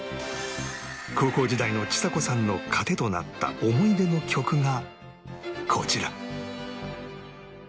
高校時代のちさ子さんの糧となった思い出の曲がこちら